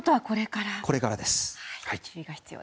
これからです。